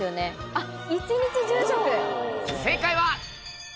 あっ。